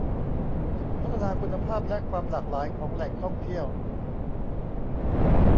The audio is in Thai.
พัฒนาคุณภาพและความหลากหลายของแหล่งท่องเที่ยว